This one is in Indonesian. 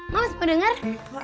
mau semua denger